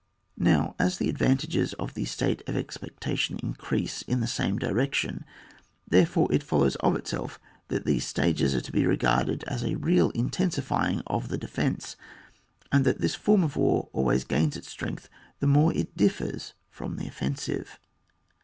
Now as the advantages of the ''state of expectation" increase in the same direction, therefore it follows of itself that these stages are to be regarded as a real intensifying of the defence, and that this form of war always gains in strength the more it diffeis from the offensive.